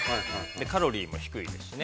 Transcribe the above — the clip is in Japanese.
カロリーも低いですしね。